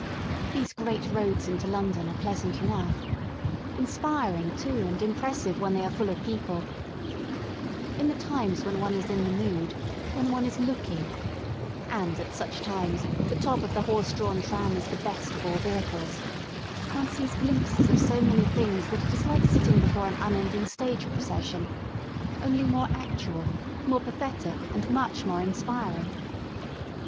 These great roads into London are pleasant enough, inspiring too and impressive when they are full of people In the times when one is in the mood, when one is looking'* — and at such times the top of the horse drawn tram is the best of all vehicles — one sees glimpses of so many things that it is like sitting before an unending stage procession, only more actual, more pathetic and much more inspiring.